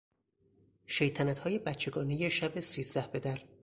شیطنتهای بچگانهی شب سیزده بدر